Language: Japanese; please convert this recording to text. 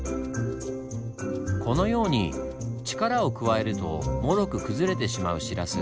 このように力を加えるともろく崩れてしまうシラス。